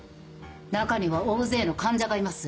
中には大勢の患者がいます。